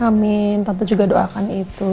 amin tapi juga doakan itu